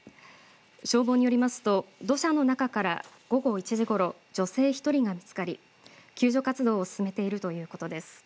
消防によりますと土砂の中から午後１時ごろ女性１人が見つかり救助活動を進めているということです。